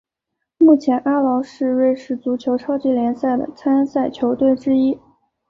目前阿劳是瑞士足球超级联赛的参赛球队之一。